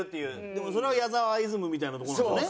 でもそれは矢沢イズムみたいなとこなんですよね。